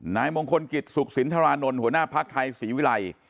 นายมงคลกิจสุขศิลป์ธารานนท์หัวหน้าภาคไทยศรีวิลัย